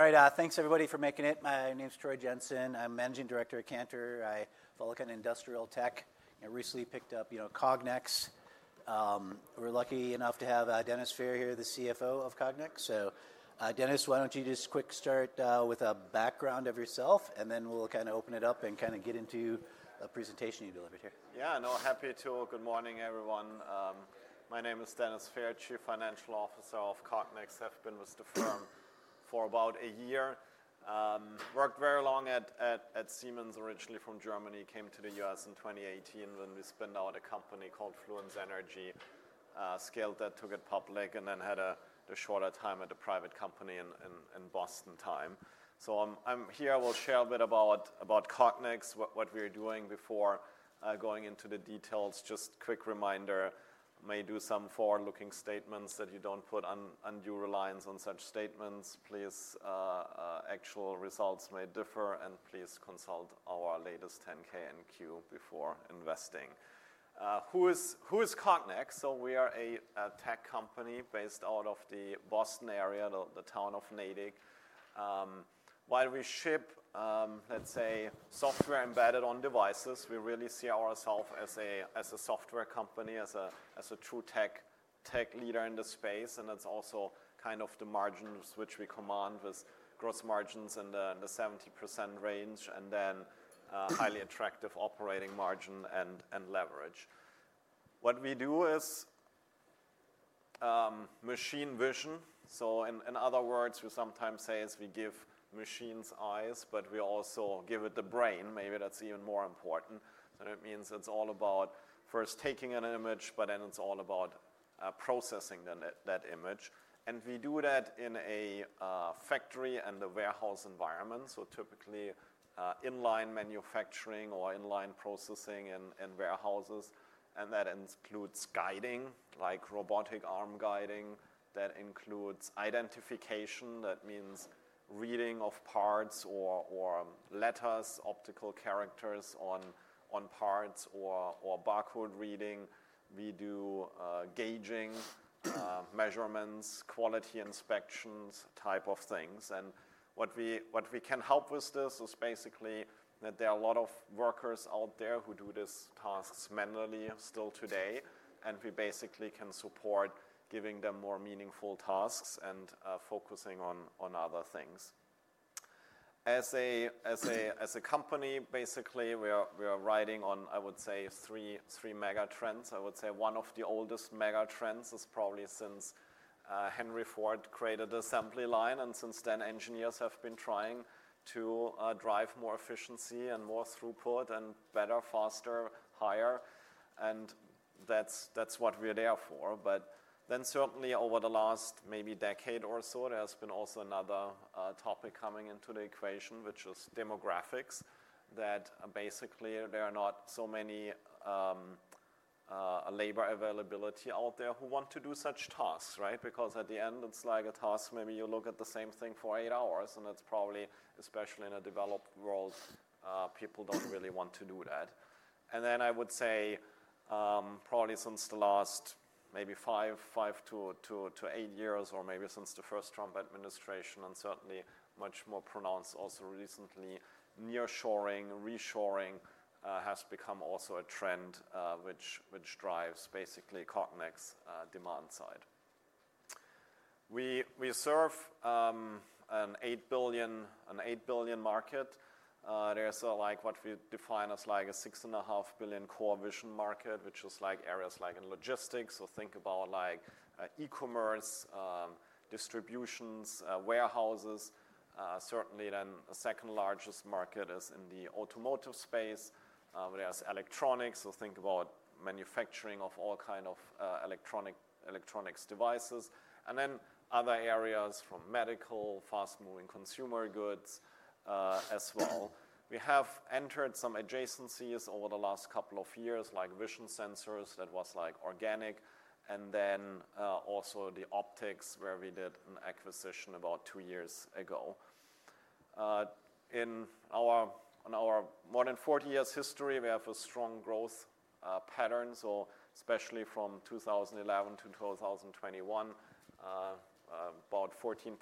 All right, thanks everybody for making it. My name's Troy Jensen. I'm Managing Director at Cantor Fitzgerald. I follow industrial tech. I recently picked up Cognex. We're lucky enough to have Dennis Fehr here, the CFO of Cognex. Dennis, why don't you just quick start with a background of yourself, and then we'll kind of open it up and kind of get into a presentation you delivered here. Yeah, no, happy to. Good morning, everyone. My name is Dennis Fehr, Chief Financial Officer of Cognex. I've been with the firm for about a year. Worked very long at Siemens, originally from Germany. Came to the U.S. in 2018 when we spun out a company called Fluence Energy. Scaled that, took it public, and then had a shorter time at a private company in Boston area. I am here. I will share a bit about Cognex, what we were doing before going into the details. Just quick reminder, may do some forward-looking statements that you do not put your reliance on such statements. Please, actual results may differ, and please consult our latest Form 10-K and Form 10-Q before investing. Who is Cognex? We are a tech company based out of the Boston area, the town of Natick. While we ship, let's say, software embedded on devices, we really see ourselves as a software company, as a true tech leader in the space. That's also kind of the margins which we command with gross margins in the 70% range and then highly attractive operating margin and leverage. What we do is machine vision. In other words, we sometimes say we give machines eyes, but we also give it the brain. Maybe that's even more important. That means it's all about first taking an image, but then it's all about processing that image. We do that in a factory and the warehouse environment. Typically inline manufacturing or inline processing in warehouses. That includes guiding, like robotic arm guiding. That includes identification. That means reading of parts or letters, optical characters on parts or barcode reading. We do gauging, measurements, quality inspections, type of things. What we can help with is basically that there are a lot of workers out there who do these tasks manually still today. We basically can support giving them more meaningful tasks and focusing on other things. As a company, basically, we are riding on, I would say, three mega trends. I would say one of the oldest mega trends is probably since Henry Ford created the assembly line. Since then, engineers have been trying to drive more efficiency and more throughput and better, faster, higher. That is what we are there for. Certainly over the last maybe decade or so, there has been also another topic coming into the equation, which is demographics. That basically there are not so many labor availability out there who want to do such tasks, right? Because at the end, it's like a task. Maybe you look at the same thing for eight hours, and it's probably, especially in a developed world, people don't really want to do that. I would say probably since the last maybe five to eight years, or maybe since the first Trump administration, and certainly much more pronounced also recently, nearshoring, reshoring has become also a trend which drives basically Cognex demand side. We serve an $8 billion market. There's like what we define as like a $6.5 billion core vision market, which is like areas like in logistics. Think about like e-commerce, distributions, warehouses. Certainly the second largest market is in the automotive space. There's electronics. Think about manufacturing of all kinds of electronics devices. Other areas from medical, fast-moving consumer goods as well. We have entered some adjacencies over the last couple of years, like vision sensors. That was like organic. And then also the optics where we did an acquisition about two years ago. In our more than 40 years history, we have a strong growth pattern. Especially from 2011 to 2021, about 14%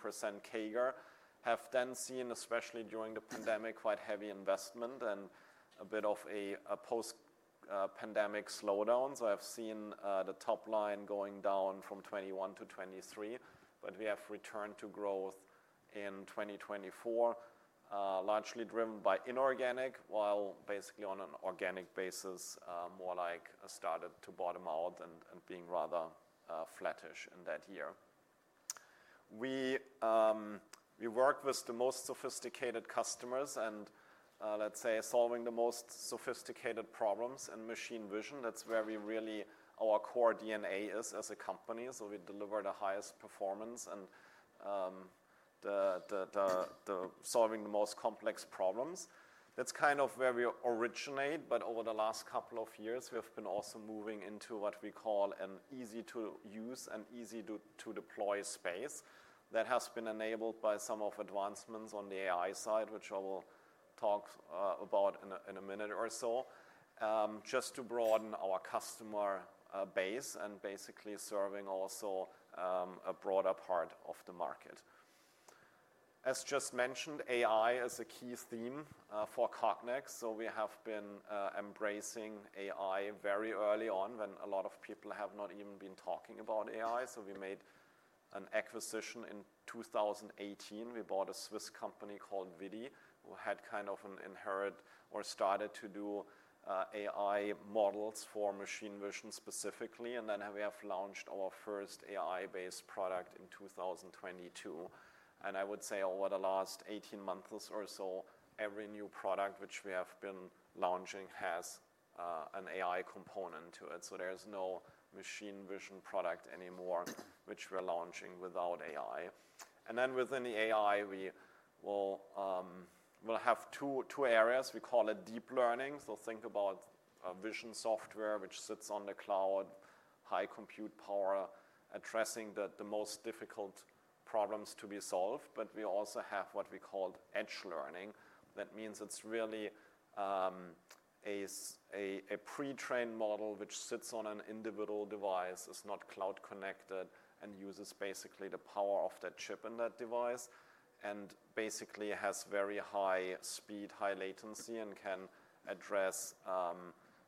CAGR have then seen, especially during the pandemic, quite heavy investment and a bit of a post-pandemic slowdown. I have seen the top line going down from 2021 to 2023. We have returned to growth in 2024, largely driven by inorganic, while basically on an organic basis, more like started to bottom out and being rather flattish in that year. We work with the most sophisticated customers and, let's say, solving the most sophisticated problems in machine vision. That's where we really our core DNA is as a company. We deliver the highest performance in solving the most complex problems. That's kind of where we originate. Over the last couple of years, we have been also moving into what we call an easy-to-use and easy-to-deploy space. That has been enabled by some of the advancements on the AI side, which I will talk about in a minute or so, just to broaden our customer base and basically serving also a broader part of the market. As just mentioned, AI is a key theme for Cognex. We have been embracing AI very early on when a lot of people have not even been talking about AI. We made an acquisition in 2018. We bought a Swiss company called ViDi, who had kind of inherited or started to do AI models for machine vision specifically. Then we have launched our first AI-based product in 2022. Over the last 18 months or so, every new product which we have been launching has an AI component to it. There is no machine vision product anymore which we are launching without AI. Within the AI, we have two areas. We call it deep learning. Think about vision software which sits on the cloud, high compute power, addressing the most difficult problems to be solved. We also have what we call edge learning. That means it is really a pre-trained model which sits on an individual device, is not cloud connected, and uses basically the power of that chip in that device and basically has very high speed, high latency, and can address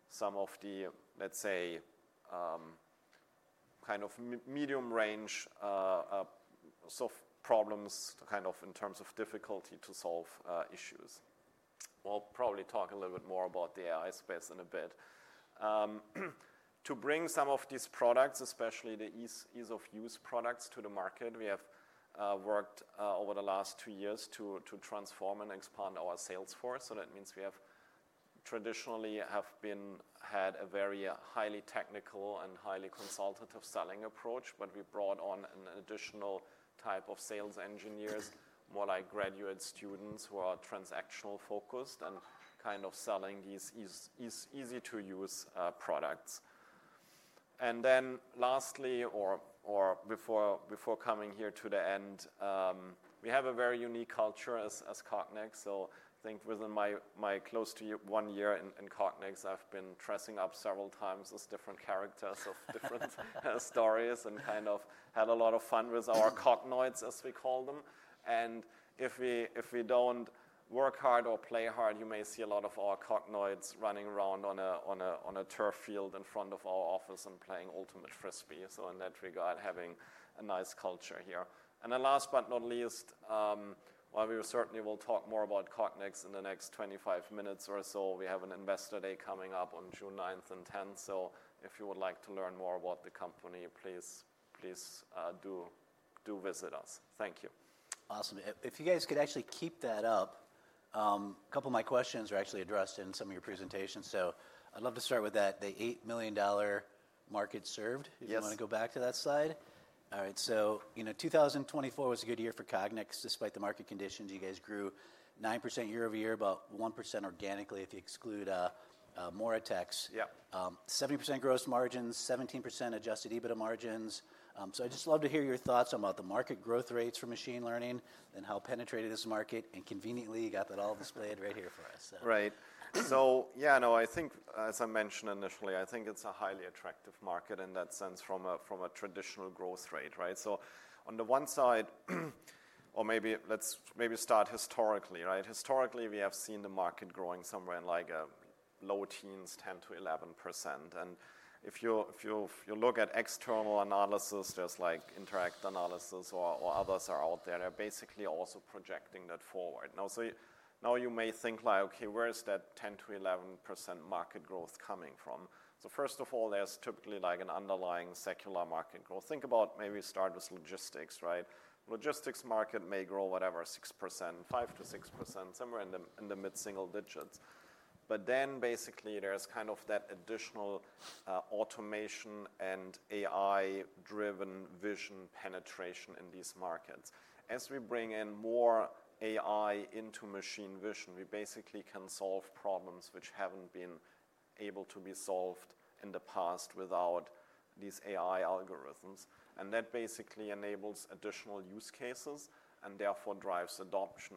some of the, let's say, kind of medium-range problems kind of in terms of difficulty to solve issues. We'll probably talk a little bit more about the AI space in a bit. To bring some of these products, especially the ease-of-use products to the market, we have worked over the last two years to transform and expand our sales force. That means we have traditionally had a very highly technical and highly consultative selling approach, but we brought on an additional type of sales engineers, more like graduate students who are transactional focused and kind of selling these easy-to-use products. Lastly, or before coming here to the end, we have a very unique culture as Cognex. I think within my close to one year in Cognex, I've been dressing up several times as different characters of different stories and kind of had a lot of fun with our Cognoids, as we call them. If we do not work hard or play hard, you may see a lot of our Cognoids running around on a turf field in front of our office and playing Ultimate Frisbee. In that regard, having a nice culture here. Last but not least, while we certainly will talk more about Cognex in the next 25 minutes or so, we have an Investor Day coming up on June 9th and 10th. If you would like to learn more about the company, please do visit us. Thank you. Awesome. If you guys could actually keep that up, a couple of my questions are actually addressed in some of your presentations. I'd love to start with that, the $8 billion market served. If you want to go back to that slide. All right. 2024 was a good year for Cognex despite the market conditions. You guys grew 9% year-over-year, about 1% organically if you exclude Moritex. 70% gross margins, 17% Adjusted EBITDA margins. I'd just love to hear your thoughts on the market growth rates for machine learning and how penetrated this market and conveniently you got that all displayed right here for us. Right. Yeah, no, I think, as I mentioned initially, I think it's a highly attractive market in that sense from a traditional growth rate, right? On the one side, or maybe let's maybe start historically, right? Historically, we have seen the market growing somewhere in like low teens, 10%-11%. If you look at external analysis, there's like Interact Analysis or others are out there. They're basically also projecting that forward. Now you may think like, okay, where is that 10%-11% market growth coming from? First of all, there's typically like an underlying secular market growth. Think about maybe start with logistics, right? Logistics market may grow whatever, 6%, 5%-6%, somewhere in the mid-single digits. Then basically there's kind of that additional automation and AI-driven vision penetration in these markets. As we bring in more AI into machine vision, we basically can solve problems which haven't been able to be solved in the past without these AI algorithms. That basically enables additional use cases and therefore drives adoption.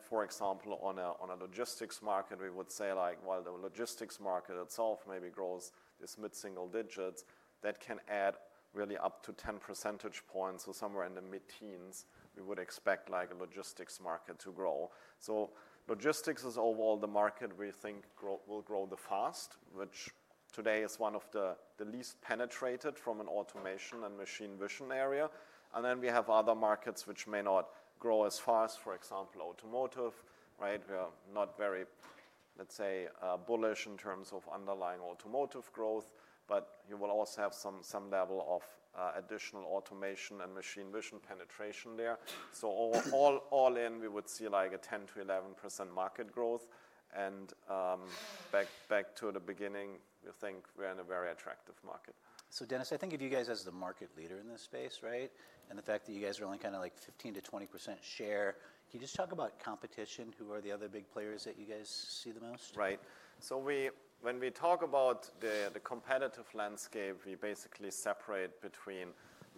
For example, on a logistics market, we would say like while the logistics market itself maybe grows this mid-single digits, that can add really up to 10 percentage points. Somewhere in the mid-teens, we would expect like a logistics market to grow. Logistics is overall the market we think will grow the fastest, which today is one of the least penetrated from an automation and machine vision area. We have other markets which may not grow as fast, for example, automotive, right? We are not very, let's say, bullish in terms of underlying automotive growth, but you will also have some level of additional automation and machine vision penetration there. All in, we would see like a 10%-11% market growth. Back to the beginning, we think we're in a very attractive market. Dennis, I think of you guys as the market leader in this space, right? The fact that you guys are only kind of like 15%-20% share, can you just talk about competition? Who are the other big players that you guys see the most? Right. When we talk about the competitive landscape, we basically separate between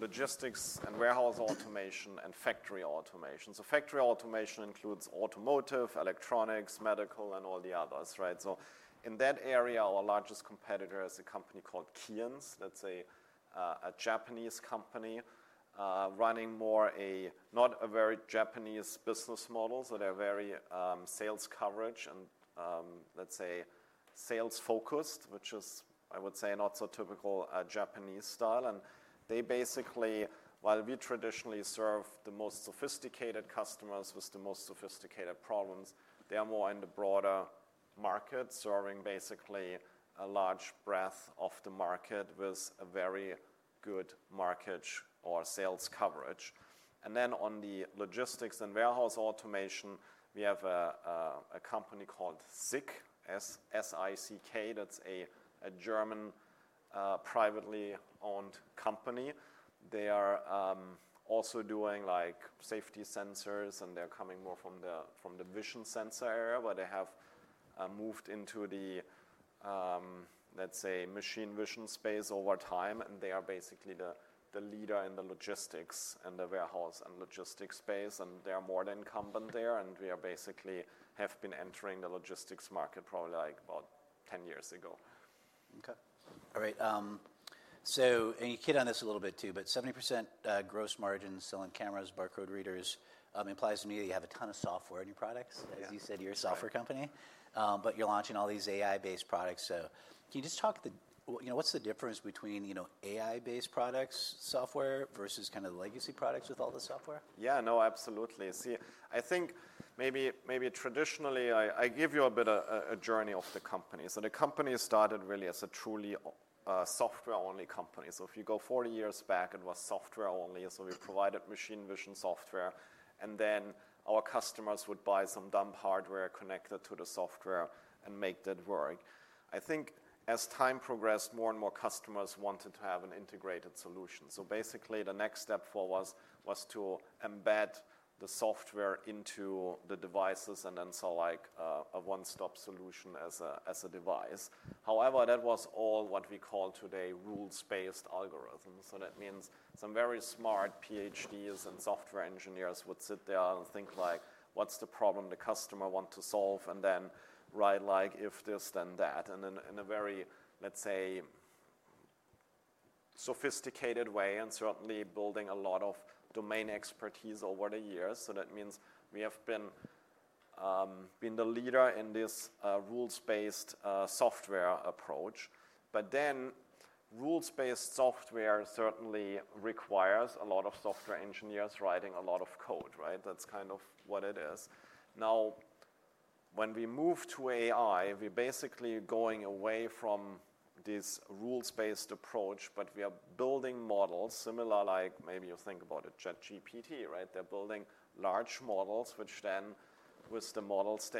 logistics and warehouse automation and factory automation. Factory automation includes automotive, electronics, medical, and all the others, right? In that area, our largest competitor is a company called Keyence, a Japanese company running more a not a very Japanese business model. They are very sales coverage and sales focused, which is, I would say, not so typical Japanese style. While we traditionally serve the most sophisticated customers with the most sophisticated problems, they are more in the broader market serving a large breadth of the market with a very good market or sales coverage. On the logistics and warehouse automation, we have a company called SICK, S-I-C-K. That is a German privately owned company. They are also doing like safety sensors, and they're coming more from the vision sensor area, but they have moved into the, let's say, machine vision space over time. They are basically the leader in the logistics and the warehouse and logistics space. They are more than incumbent there. We are basically have been entering the logistics market probably like about 10 years ago. Okay. All right. You hit on this a little bit too, but 70% gross margin selling cameras, barcode readers implies to me that you have a ton of software in your products, as you said, you're a software company, but you're launching all these AI-based products. Can you just talk what's the difference between AI-based products, software versus kind of legacy products with all the software? Yeah, no, absolutely. See, I think maybe traditionally, I give you a bit of a journey of the company. The company started really as a truly software-only company. If you go 40 years back, it was software-only. We provided machine vision software, and then our customers would buy some dumb hardware connected to the software and make that work. I think as time progressed, more and more customers wanted to have an integrated solution. Basically the next step was to embed the software into the devices and then sell like a one-stop solution as a device. However, that was all what we call today rules-based algorithms. That means some very smart PhDs and software engineers would sit there and think like, what's the problem the customer wants to solve? And then write like if this, then that. In a very, let's say, sophisticated way and certainly building a lot of domain expertise over the years. That means we have been the leader in this rules-based software approach. Rules-based software certainly requires a lot of software engineers writing a lot of code, right? That's kind of what it is. Now when we move to AI, we're basically going away from this rules-based approach, but we are building models similar like maybe you think about a ChatGPT, right? They're building large models, which then with the models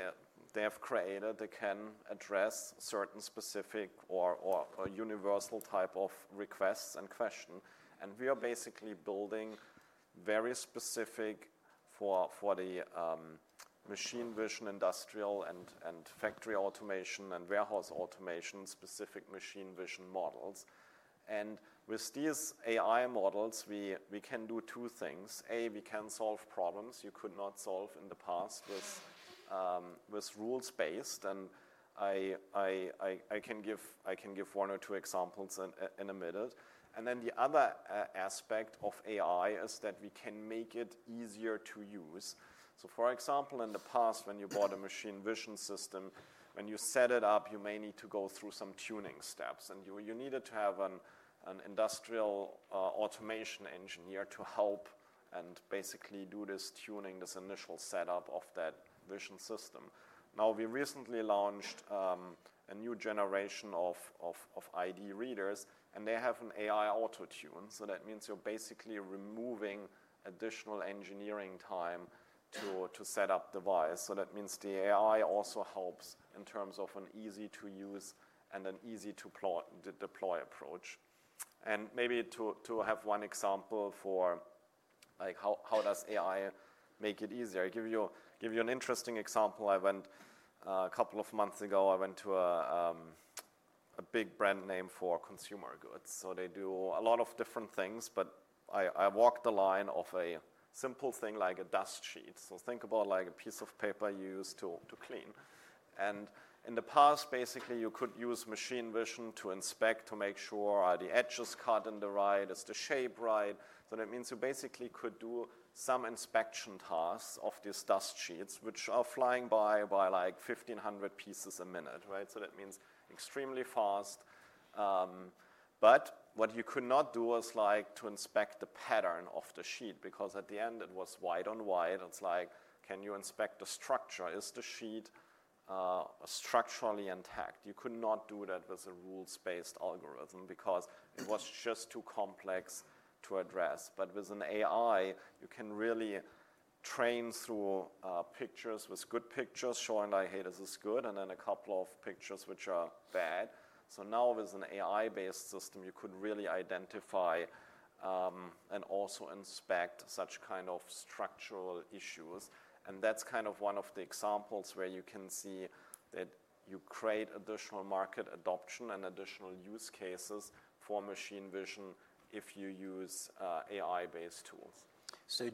they have created, they can address certain specific or universal type of requests and questions. We are basically building very specific for the machine vision industrial and factory automation and warehouse automation specific machine vision models. With these AI models, we can do two things. A, we can solve problems you could not solve in the past with rules-based. I can give one or two examples in a minute. The other aspect of AI is that we can make it easier to use. For example, in the past, when you bought a machine vision system, when you set it up, you may need to go through some tuning steps. You needed to have an industrial automation engineer to help and basically do this tuning, this initial setup of that vision system. We recently launched a new generation of ID readers, and they have an AI auto-tune. That means you're basically removing additional engineering time to set up device. That means the AI also helps in terms of an easy-to-use and an easy-to-deploy approach. Maybe to have one example for like how does AI make it easier? I'll give you an interesting example. I went a couple of months ago, I went to a big brand name for consumer goods. They do a lot of different things, but I walked the line of a simple thing like a dust sheet. Think about like a piece of paper you use to clean. In the past, basically you could use machine vision to inspect to make sure are the edges cut right? Is the shape right? That means you basically could do some inspection tasks of these dust sheets, which are flying by like 1,500 pieces a minute, right? That means extremely fast. What you could not do is like to inspect the pattern of the sheet because at the end it was white on white. It's like, can you inspect the structure? Is the sheet structurally intact? You could not do that with a rules-based algorithm because it was just too complex to address. With an AI, you can really train through pictures with good pictures showing like, hey, this is good, and then a couple of pictures which are bad. Now with an AI-based system, you could really identify and also inspect such kind of structural issues. That is kind of one of the examples where you can see that you create additional market adoption and additional use cases for machine vision if you use AI-based tools.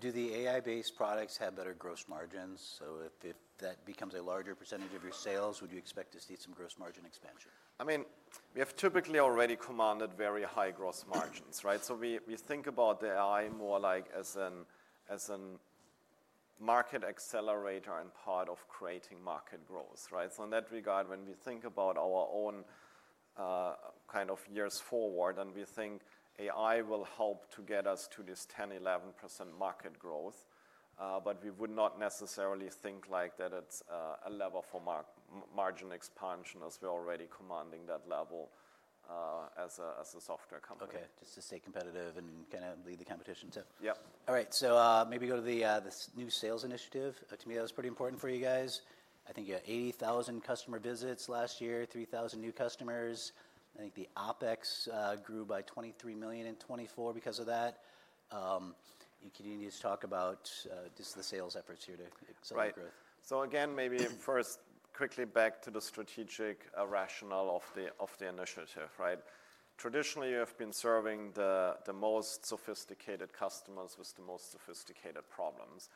Do the AI-based products have better gross margins? If that becomes a larger percentage of your sales, would you expect to see some gross margin expansion? I mean, we have typically already commanded very high gross margins, right? We think about the AI more like as a market accelerator and part of creating market growth, right? In that regard, when we think about our own kind of years forward and we think AI will help to get us to this 10%-11% market growth, but we would not necessarily think like that it's a level for margin expansion as we're already commanding that level as a software company. Okay. Just to stay competitive and kind of lead the competition too. Yep. All right. Maybe go to the new sales initiative. To me, that was pretty important for you guys. I think you had 80,000 customer visits last year, 3,000 new customers. I think the OpEx grew by $23 million in 2024 because of that. You continue to talk about just the sales efforts here to accelerate growth. Right. Again, maybe first quickly back to the strategic rationale of the initiative, right? Traditionally, you have been serving the most sophisticated customers with the most sophisticated problems.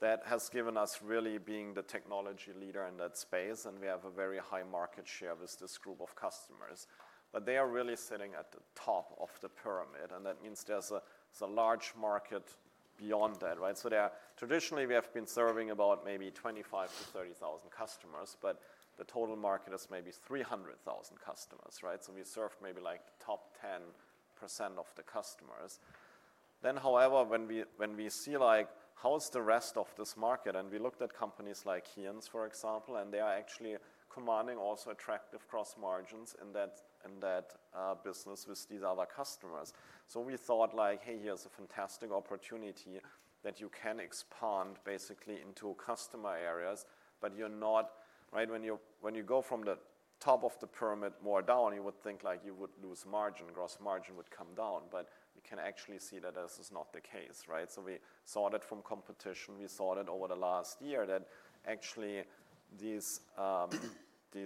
That has given us really being the technology leader in that space, and we have a very high market share with this group of customers. They are really sitting at the top of the pyramid, and that means there's a large market beyond that, right? Traditionally, we have been serving about maybe 25,000 to 30,000 customers, but the total market is maybe 300,000 customers, right? We served maybe like top 10% of the customers. However, when we see like how's the rest of this market, and we looked at companies like Keyence, for example, and they are actually commanding also attractive gross margins in that business with these other customers. We thought like, hey, here's a fantastic opportunity that you can expand basically into customer areas, but you're not, right? When you go from the top of the pyramid more down, you would think like you would lose margin, gross margin would come down, but we can actually see that this is not the case, right? We saw that from competition. We saw that over the last year that actually these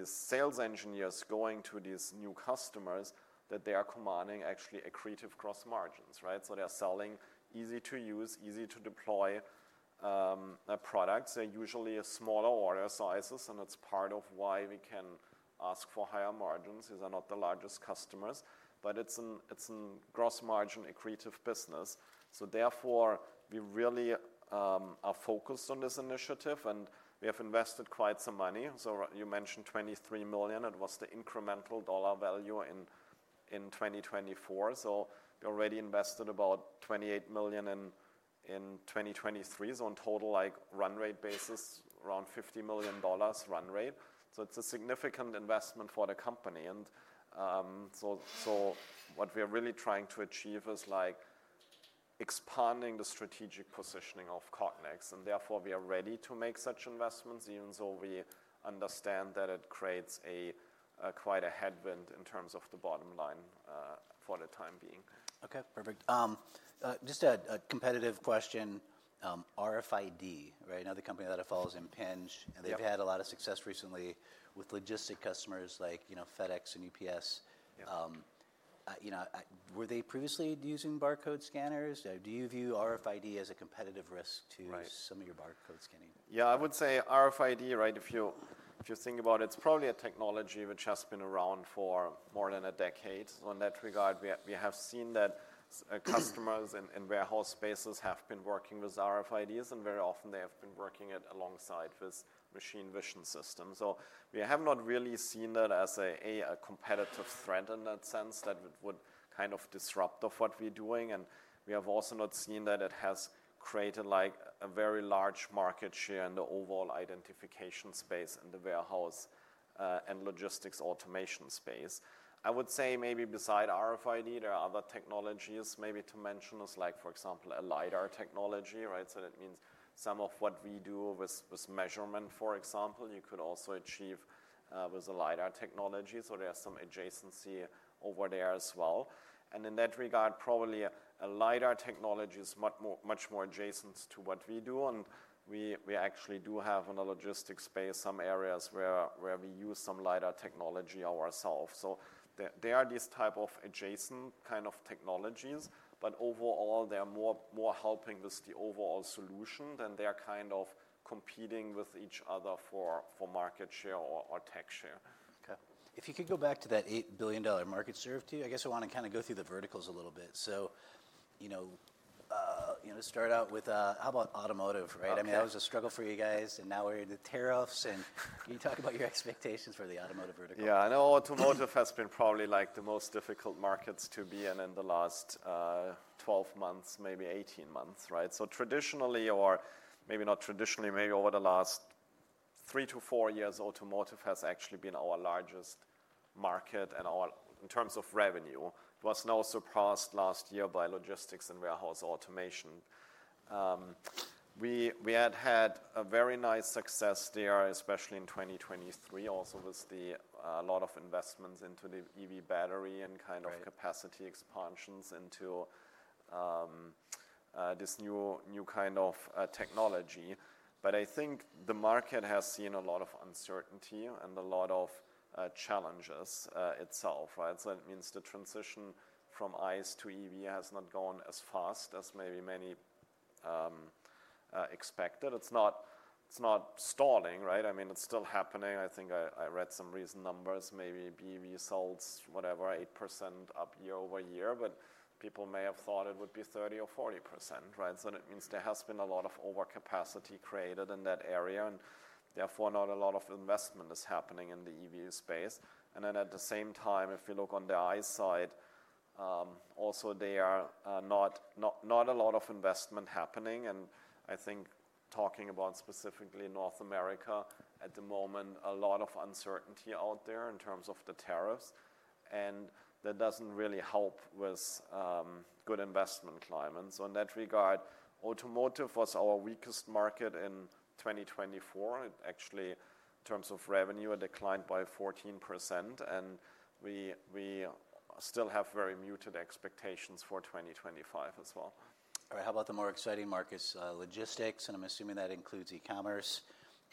sales engineers going to these new customers, that they are commanding actually accretive gross margins, right? They're selling easy-to-use, easy-to-deploy products. They're usually smaller order sizes, and it's part of why we can ask for higher margins because they're not the largest customers, but it's a gross margin accretive business. Therefore, we really are focused on this initiative, and we have invested quite some money. You mentioned $23 million. It was the incremental dollar value in 2024. We already invested about $28 million in 2023. In total, on a run rate basis, around $50 million run rate. It is a significant investment for the company. What we are really trying to achieve is expanding the strategic positioning of Cognex. Therefore, we are ready to make such investments even though we understand that it creates quite a headwind in terms of the bottom line for the time being. Okay. Perfect. Just a competitive question. RFID, right? Another company that follows Impinj, and they've had a lot of success recently with logistics customers like FedEx and UPS. Were they previously using barcode scanners? Do you view RFID as a competitive risk to some of your barcode scanning? Yeah, I would say RFID, right? If you think about it, it's probably a technology which has been around for more than a decade. In that regard, we have seen that customers in warehouse spaces have been working with RFIDs, and very often they have been working alongside with machine vision systems. We have not really seen that as a competitive threat in that sense that it would kind of disrupt what we're doing. We have also not seen that it has created like a very large market share in the overall identification space in the warehouse and logistics automation space. I would say maybe beside RFID, there are other technologies maybe to mention is like, for example, a LiDAR technology, right? That means some of what we do with measurement, for example, you could also achieve with a LiDAR technology. There is some adjacency over there as well. In that regard, probably a LiDAR technology is much more adjacent to what we do. We actually do have in the logistics space some areas where we use some LiDAR technology ourselves. There are these type of adjacent kind of technologies, but overall, they are more helping with the overall solution than they are kind of competing with each other for market share or tech share. Okay. If you could go back to that $8 billion market serve too, I guess I want to kind of go through the verticals a little bit. To start out with, how about automotive, right? I mean, that was a struggle for you guys, and now we're in the tariffs. Can you talk about your expectations for the automotive vertical? Yeah, I know automotive has been probably like the most difficult markets to be in in the last 12 months, maybe 18 months, right? Traditionally, or maybe not traditionally, maybe over the last three to four years, automotive has actually been our largest market in terms of revenue. It was no surprise last year by logistics and warehouse automation. We had had a very nice success there, especially in 2023, also with a lot of investments into the EV battery and kind of capacity expansions into this new kind of technology. I think the market has seen a lot of uncertainty and a lot of challenges itself, right? It means the transition from ICE to EV has not gone as fast as maybe many expected. It's not stalling, right? I mean, it's still happening. I think I read some recent numbers, maybe BEVs sold whatever, 8% up year-over-year, but people may have thought it would be 30% or 40%, right? That means there has been a lot of overcapacity created in that area, and therefore not a lot of investment is happening in the EV space. At the same time, if you look on the ICE side, also there are not a lot of investment happening. I think talking about specifically North America at the moment, a lot of uncertainty out there in terms of the tariffs, and that does not really help with a good investment climate. In that regard, automotive was our weakest market in 2024. It actually, in terms of revenue, declined by 14%, and we still have very muted expectations for 2025 as well. All right. How about the more exciting markets, logistics? And I'm assuming that includes e-commerce,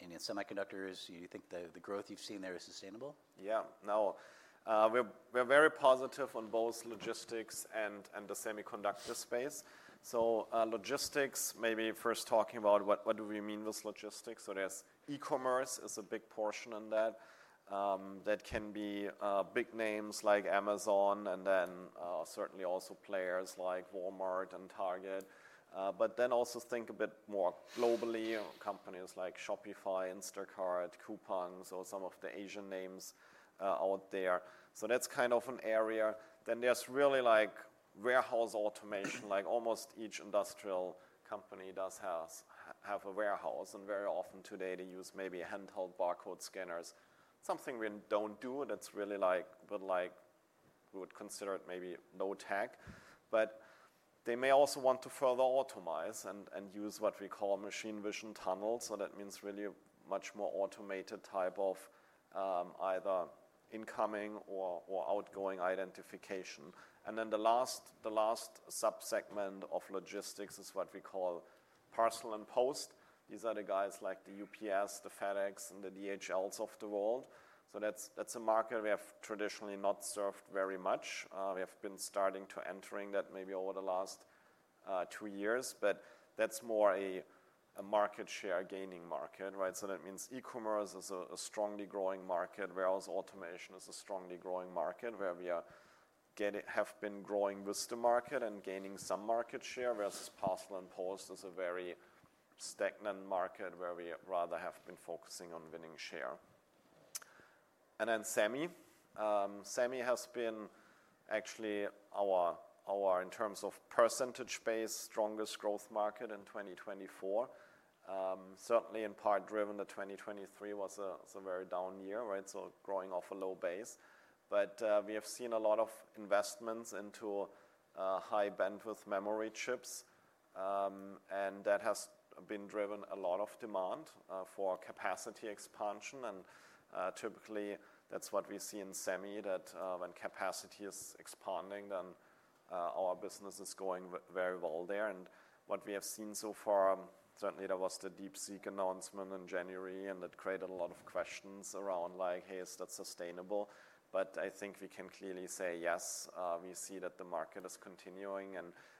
Indian semiconductors. Do you think the growth you've seen there is sustainable? Yeah. No, we're very positive on both logistics and the semiconductor space. Logistics, maybe first talking about what do we mean with logistics? There's e-commerce as a big portion in that. That can be big names like Amazon and then certainly also players like Walmart and Target. Think a bit more globally, companies like Shopify, Instacart, Coupang, some of the Asian names out there. That's kind of an area. There's really like warehouse automation, like almost each industrial company does have a warehouse. Very often today, they use maybe handheld barcode scanners, something we don't do that's really like we would consider it maybe low tech. They may also want to further optimize and use what we call machine vision tunnels. That means really much more automated type of either incoming or outgoing identification. The last subsegment of logistics is what we call parcel and post. These are the guys like UPS, FedEx, and the DHLs of the world. That is a market we have traditionally not served very much. We have been starting to enter that maybe over the last two years, but that is more a market share gaining market, right? That means e-commerce is a strongly growing market, whereas automation is a strongly growing market where we have been growing with the market and gaining some market share, whereas parcel and post is a very stagnant market where we rather have been focusing on winning share. Semi has been actually our, in terms of percentage base, strongest growth market in 2024, certainly in part driven that 2023 was a very down year, right? Growing off a low base. We have seen a lot of investments into high bandwidth memory chips, and that has driven a lot of demand for capacity expansion. Typically, that's what we see in semi, that when capacity is expanding, then our business is going very well there. What we have seen so far, certainly there was the DeepSeek announcement in January, and it created a lot of questions around like, hey, is that sustainable? I think we can clearly say yes. We see that the market is continuing.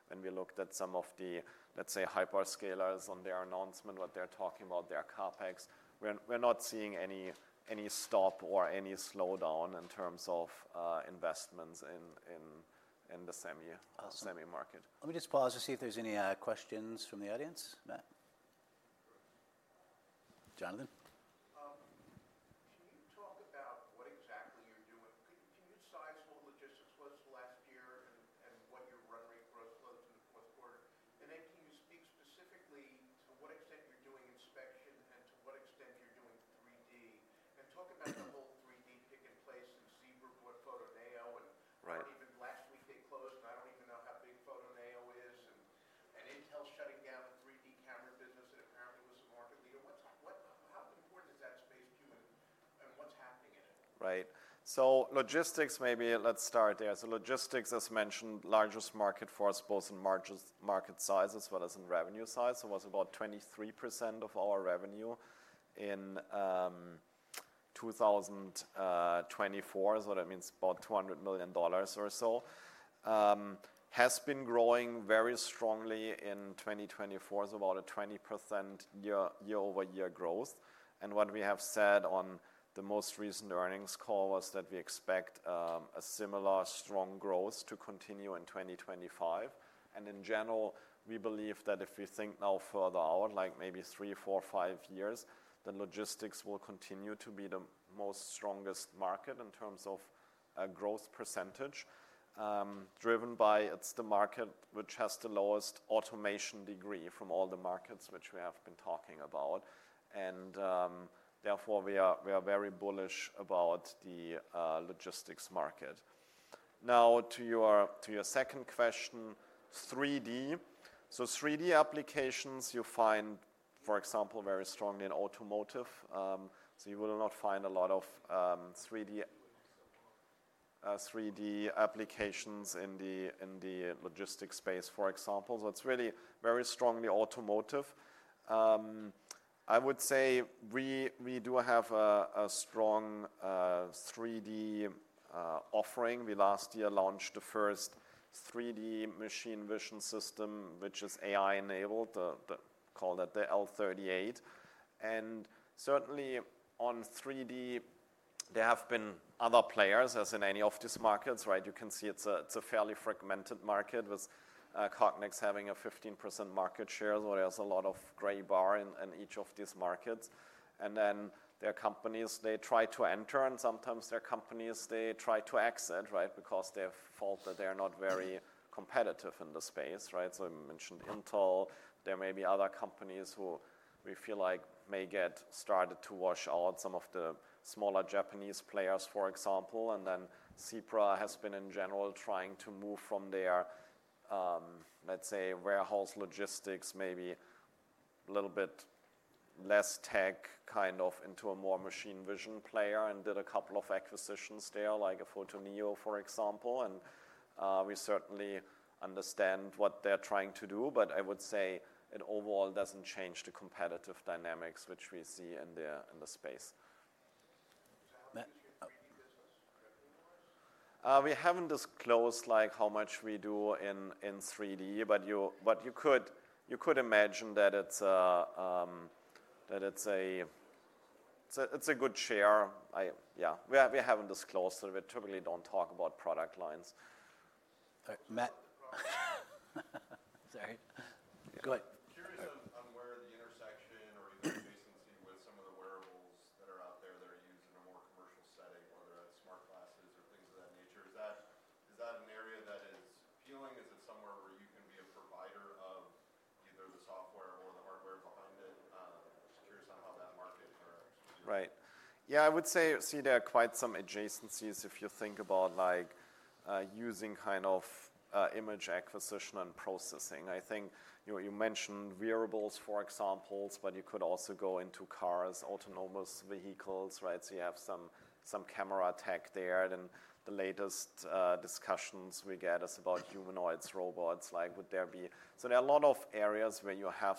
When we looked at some of the, let's say, hyperscalers on their announcement, what they're talking about, their CapEx, we're not seeing any stop or any slowdown in terms of investments in the semi market. Let me just pause to see if there's any questions from the audience. Jonathan? Can you talk about what exactly you're doing? Can you size what logistics was last year and what your run rate growth was in the fourth quarter? Can you speak specifically to what extent you're doing inspection and to what extent you're doing 3D? Talk about the whole 3D pick and place and Zebra bought Photoneo, and even last week they closed, and I don't even know how big Photoneo is, and Intel's shutting down the 3D camera business that apparently was a market leader. How important is that space to you, and what's happening in it? Right. Logistics, maybe let's start there. Logistics, as mentioned, largest market for us both in market size as well as in revenue size. It was about 23% of our revenue in 2024. That means about $200 million or so. Has been growing very strongly in 2024, about a 20% year-over-year growth. What we have said on the most recent earnings call was that we expect a similar strong growth to continue in 2025. In general, we believe that if we think now further out, like maybe three, four, five years, logistics will continue to be the most strongest market in terms of growth percentage, driven by it's the market which has the lowest automation degree from all the markets which we have been talking about. Therefore, we are very bullish about the logistics market. Now, to your second question, 3D. 3D applications you find, for example, very strongly in automotive. You will not find a lot of 3D applications in the logistics space, for example. It is really very strongly automotive. I would say we do have a strong 3D offering. We last year launched the first 3D machine vision system, which is AI-enabled, called the L38. Certainly on 3D, there have been other players, as in any of these markets, right? You can see it is a fairly fragmented market with Cognex having a 15% market share, so there is a lot of gray bar in each of these markets. There are companies that try to enter, and sometimes there are companies that try to exit, right, because they are at fault that they are not very competitive in the space, right? I mentioned Intel. There may be other companies who we feel like may get started to wash out some of the smaller Japanese players, for example. Zebra has been in general trying to move from their, let's say, warehouse logistics, maybe a little bit less tech kind of into a more machine vision player and did a couple of acquisitions there, like a Photoneo, for example. We certainly understand what they're trying to do, but I would say it overall doesn't change the competitive dynamics which we see in the space. Do you have any business or revenue-wise? We have not disclosed like how much we do in 3D, but you could imagine that it is a good share. Yeah, we have not disclosed it. We typically do not talk about product lines. Matt? Sorry. Go ahead. Curious on where the intersection or even adjacency with some of the wearables that are out there that are used in a more commercial setting, whether that's smart glasses or things of that nature. Is that an area that is appealing? Is it somewhere where you can be a provider of either the software or the hardware behind it? Just curious on how that market interacts with you. Right. Yeah, I would say see there are quite some adjacencies if you think about like using kind of image acquisition and processing. I think you mentioned wearables, for example, but you could also go into cars, autonomous vehicles, right? You have some camera tech there. The latest discussions we get is about humanoids, robots, like would there be? There are a lot of areas where you have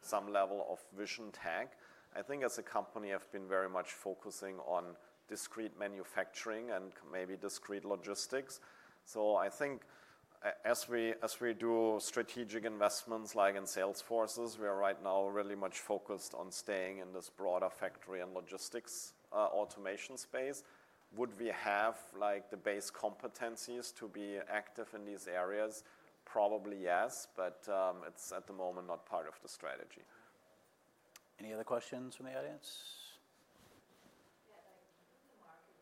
some level of vision tech. I think as a company, I've been very much focusing on discrete manufacturing and maybe discrete logistics. I think as we do strategic investments like in sales force, we are right now really much focused on staying in this broader factory and logistics automation space. Would we have like the base competencies to be active in these areas? Probably yes, but it's at the moment not part of the strategy. Any other questions from the audience? Yeah, like in the market,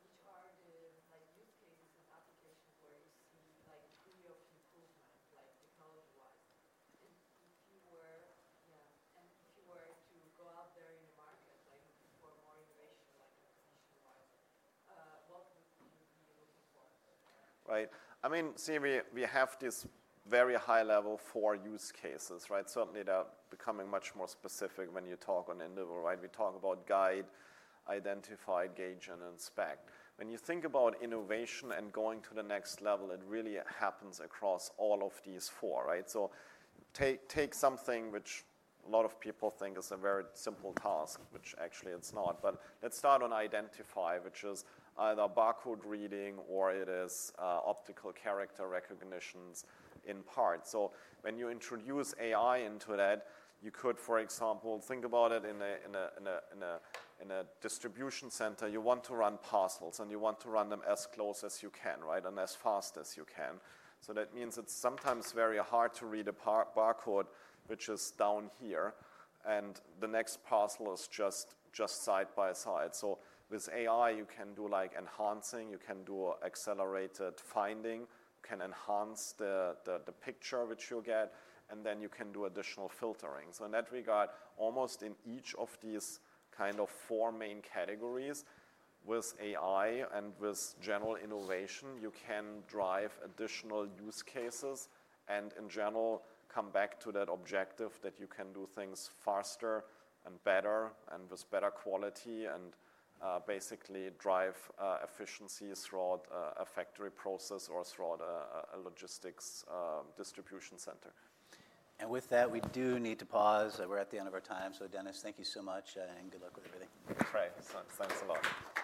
which are the use cases and applications where you see like 3D or 2D movement, like technology-wise? If you were, yeah, and if you were to go out there in the market for more innovation, like acquisition-wise, what would you be looking for? Right. I mean, see, we have these very high-level four use cases, right? Certainly they're becoming much more specific when you talk on in detail, right? We talk about guide, identify, gauge, and inspect. When you think about innovation and going to the next level, it really happens across all of these four, right? Take something which a lot of people think is a very simple task, which actually it's not. Let's start on identify, which is either barcode reading or it is optical character recognition in part. When you introduce AI into that, you could, for example, think about it in a distribution center. You want to run parcels, and you want to run them as close as you can, right, and as fast as you can. That means it's sometimes very hard to read a barcode which is down here, and the next parcel is just side by side. With AI, you can do like enhancing, you can do accelerated finding, you can enhance the picture which you get, and then you can do additional filtering. In that regard, almost in each of these kind of four main categories, with AI and with general innovation, you can drive additional use cases and in general come back to that objective that you can do things faster and better and with better quality and basically drive efficiencies throughout a factory process or throughout a logistics distribution center. We do need to pause. We're at the end of our time. So Dennis, thank you so much, and good luck with everything. All right. Thanks a lot.